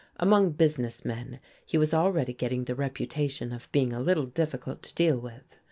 Among "business men" he was already getting the reputation of being a little difficult to deal with.